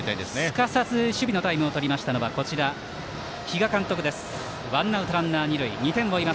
すかさず守備のタイムをとったのは比嘉監督です。